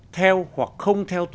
theo hoặc không theo tiến đồ